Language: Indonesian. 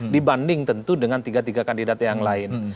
dibanding tentu dengan tiga tiga kandidat yang lain